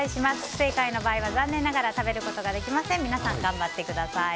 不正解の場合は残念ながら食べることができませんので皆さん、頑張ってください。